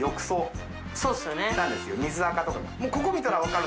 そうですよね。